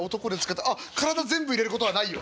あっ体全部入れることはないよ。